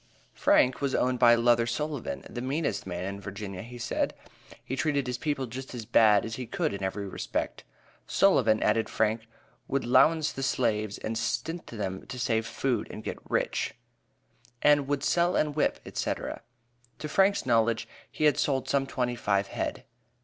Frank was owned by Luther Sullivan, "the meanest man in Virginia," he said; he treated his people just as bad as he could in every respect. "Sullivan," added Frank, "would 'lowance the slaves and stint them to save food and get rich," and "would sell and whip," etc. To Frank's knowledge, he had sold some twenty five head.